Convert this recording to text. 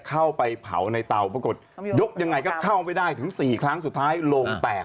เข้าไปเผาในเตาปรากฏยกยังไงก็เข้าไม่ได้ถึง๔ครั้งสุดท้ายโลงแตก